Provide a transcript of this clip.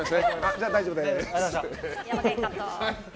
じゃあ、大丈夫です。